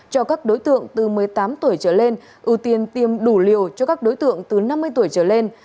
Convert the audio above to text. cho các đối tượng từ một mươi tám tuổi trở lên ưu tiên tiêm đủ liều cho các đối tượng từ năm mươi tuổi trở lên